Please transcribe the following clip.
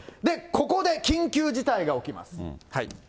ここで緊急事態が起きます。